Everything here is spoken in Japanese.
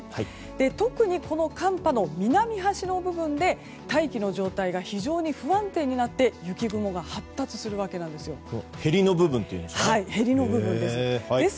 特に、この寒波の南端の部分で大気の状態が非常に不安定になって雪雲が発達するわけです。